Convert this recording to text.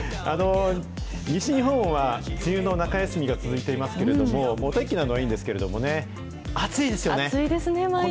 西日本は梅雨の中休みが続いていますけれども、お天気なのはいいんですけれどもね、暑いです暑いですね、毎日。